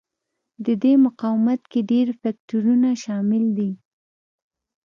د دې مقاومت کې ډېر فکټورونه شامل دي.